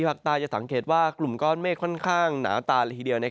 ภาคใต้จะสังเกตว่ากลุ่มก้อนเมฆค่อนข้างหนาตาละทีเดียว